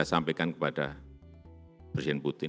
saya sampaikan kepada presiden putin